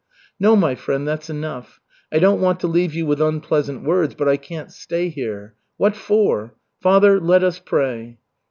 "No, my friend, that's enough. I don't want to leave you with unpleasant words, but I can't stay here. What for? Father, let us pray."